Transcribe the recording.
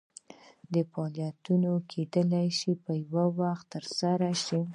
دا فعالیتونه کیدای شي په یو وخت ترسره شي.